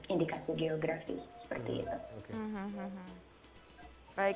indikasi geografi seperti itu